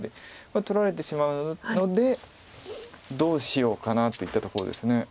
これ取られてしまうのでどうしようかなといったところです。